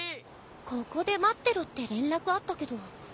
ここで待ってろって連絡あったけど。